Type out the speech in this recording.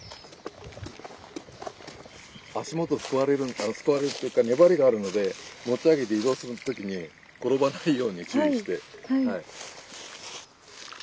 足元すくわれるすくわれるっていうか粘りがあるので持ち上げて移動する時に転ばないように注意して。